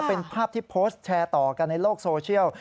เป็นภาพที่โพสต์แชร์ต่อกันในโลกโซเชียล